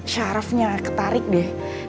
syarafnya ketarik deh